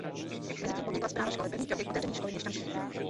Mezitím podnikla správa školy první kroky k otevření školy měšťanské.